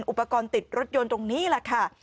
อุปกรณ์ติดรถยนต์ตรงนี้แหละค่ะ